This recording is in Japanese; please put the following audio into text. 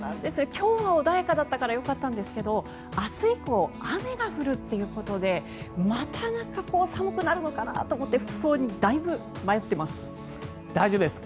今日は穏やかだったからよかったんですが明日以降雨が降るということでまた寒くなるのかなと思って服装にだいぶ迷っています。